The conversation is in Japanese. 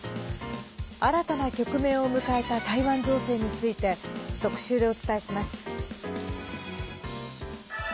新たな局面を迎えた台湾情勢について特集でお伝えします。